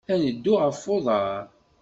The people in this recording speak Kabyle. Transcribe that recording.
Ad neddu ɣef uḍar.